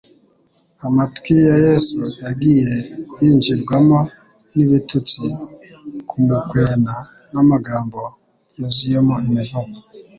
amatwi yaYesu yagiye yinj irwamo n'ibitutsi, kumukwena, n'amagambo yuzuyemo imivuino.